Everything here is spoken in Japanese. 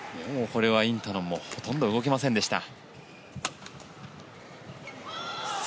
インタノンもほとんど動けませんでした。